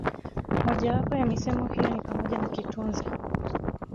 Moja wapo ya misemo hiyo ni pamoja na kitunze